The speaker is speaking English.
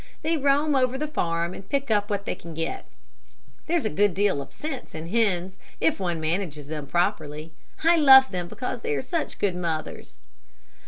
They roam over the farm and pick up what they can get. There's a good deal of sense in hens, if one manages them properly. I love them because they are such good mothers."